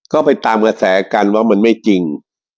ก็ไปตามกระแสกันว่ามันไม่จริง